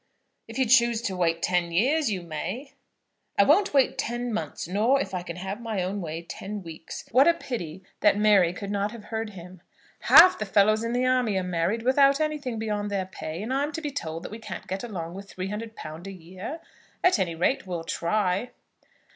"If you choose to wait ten years, you may." "I won't wait ten months, nor, if I can have my own way, ten weeks." What a pity that Mary could not have heard him. "Half the fellows in the army are married without anything beyond their pay; and I'm to be told that we can't get along with £300 a year? At any rate, we'll try."